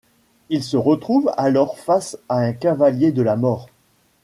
Il se retrouve alors face à un cavalier de la mort.